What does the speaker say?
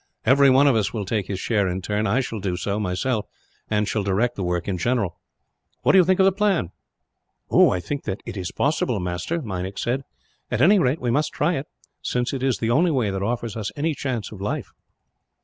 Everyone of us will take his share in turn; I shall do so, myself, and shall direct the work in general. What do you think of the plan?" "I think that it is possible, master," Meinik said. "At any rate, we must try it; since it is the only way that offers us any chance of life."